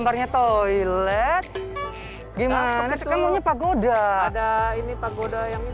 ada ini pagoda yang ini